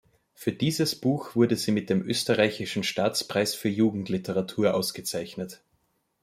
Für dieses Buch wurde sie mit dem Österreichischen Staatspreis für Jugendliteratur ausgezeichnet.